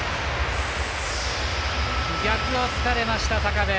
逆を突かれました高部。